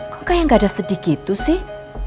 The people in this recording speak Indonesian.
kok kayak gak ada sedih gitu sih